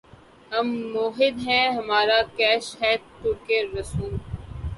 ہم موّحد ہیں‘ ہمارا کیش ہے ترکِ رسوم